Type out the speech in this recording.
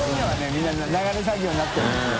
みんな流れ作業になってるんですよ。